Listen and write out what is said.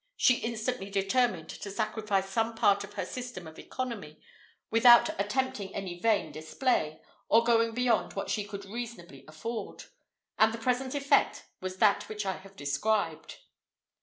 She instantly determined to sacrifice some part of her system of economy, without attempting any vain display, or going beyond what she could reasonably afford; and the present effect was that which I have described.